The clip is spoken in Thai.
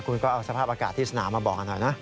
คุณก็เอาสภาพอากาศที่สนามมาบอกกันหน่อยนะ